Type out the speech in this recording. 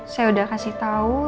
saya sudah beritahu